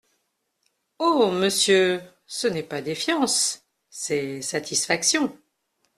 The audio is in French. Oh ! monsieur, ce n’est pas défiance, c’est satisfaction.